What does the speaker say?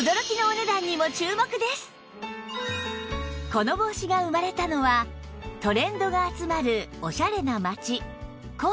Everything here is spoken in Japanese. この帽子が生まれたのはトレンドが集まるオシャレな街神戸